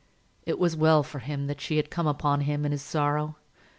It was well for him that she had come upon him in his sorrow.